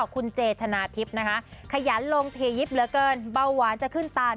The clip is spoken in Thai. คุณเจชนะทิพย์นะคะขยันลงเทยิบเหลือเกินเบาหวานจะขึ้นตา